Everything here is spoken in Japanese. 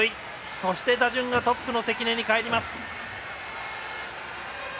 そして打順がトップの関根に返ります。